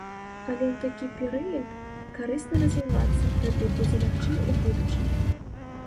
Але ў такі перыяд карысна развівацца, тады будзе лягчэй у будучыні.